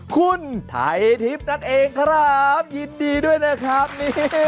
คุณไทยทิพย์นั่นเองครับยินดีด้วยนะครับ